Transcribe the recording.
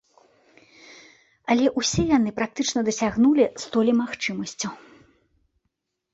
Але ўсе яны практычна дасягнулі столі магчымасцяў.